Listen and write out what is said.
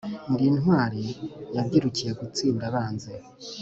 Ndi intwari yabyirukiye gutsinda abanzi